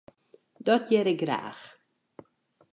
Dat hear ik graach.